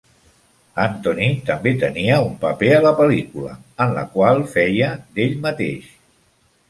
Anthony també tenia un paper en la pel·lícula, en la qual feia d'ell mateix.